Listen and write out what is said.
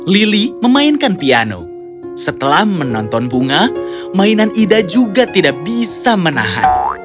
lili memainkan piano setelah menonton bunga mainan ida juga tidak bisa menahan